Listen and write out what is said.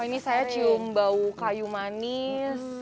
ini saya cium bau kayu manis